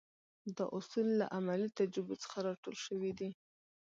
دا اصول له عملي تجربو څخه را ټول شوي دي.